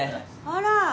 あら！